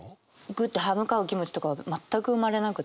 グッて刃向かう気持ちとかは全く生まれなくて。